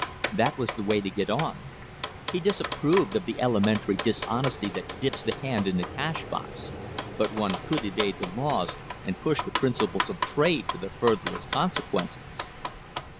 That was the way to get on. He disapproved of the elementary dishonesty that dips the hand in the cash box, but one could evade the laws and push the principles of trade to their furthest consequences.